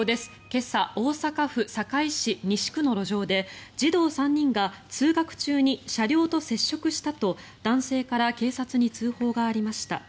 今朝、大阪府堺市西区の路上で児童３人が通学中に車両と接触したと男性から警察に通報がありました。